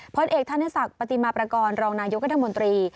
พรตเอกท่านศักดิ์ปฏิมาประกอลรองนายกระทะมนตรี